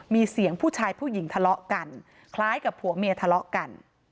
มีเสียงผู้ชายผู้หญิงทะเลาะกันคล้ายกับผัวเมียทะเลาะกัน